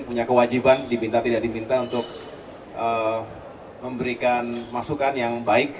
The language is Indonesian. punya kewajiban diminta tidak diminta untuk memberikan masukan yang baik